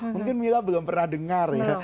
mungkin mila belum pernah dengar ya